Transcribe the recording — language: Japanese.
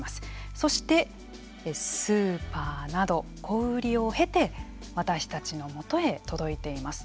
そして、スーパーなど小売りを経て私たちのもとへ届いています。